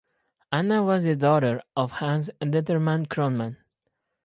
Anna was the daughter of Hans Detterman Cronman.